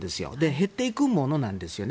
減っていくものなんですね。